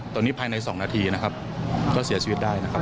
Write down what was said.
ตอนนี้ภายใน๒นาทีนะครับก็เสียชีวิตได้นะครับ